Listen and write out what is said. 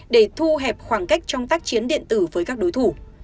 để thu hẹp khoảng cách trong tác chiến điện tử với các đối thủ